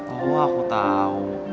oh aku tau